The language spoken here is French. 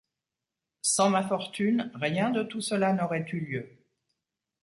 Sans ma fortune, rien de tout cela n’aurait eu lieu.